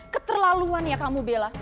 keterlaluan ya kamu bella